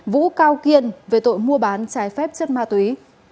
vũ cao kiên về tội mua bán trái phép chất ma túy